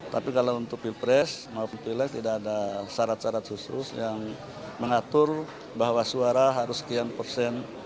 tapi kalau untuk pilpres maupun pilek tidak ada syarat syarat khusus yang mengatur bahwa suara harus sekian persen